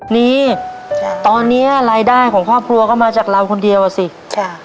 นี่จ้ะตอนนี้รายได้ของครอบครัวก็มาจากเราคนเดียวอ่ะสิจ้ะ